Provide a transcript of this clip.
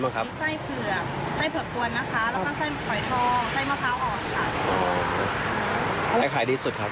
มักกล้า